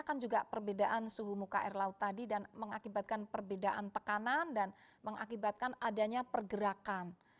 kan juga perbedaan suhu muka air laut tadi dan mengakibatkan perbedaan tekanan dan mengakibatkan adanya pergerakan